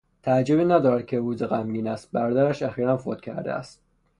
تعجبی ندارد که او غمگین است; برادرش اخیرا فوت کرده است.